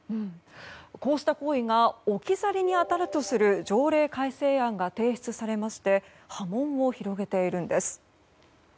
こうした行為が置き去りに当たるとする条例改正案が提出されまして波紋を広げているんです。